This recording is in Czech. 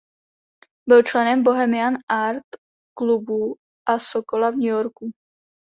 Byl členem Bohemian Art klubu a Sokola v New Yorku.